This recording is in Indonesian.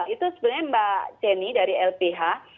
itu sebenarnya mbak jenny dari lph